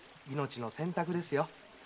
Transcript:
命の洗濯ですよ。